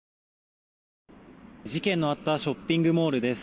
事件のあったショッピングモールです。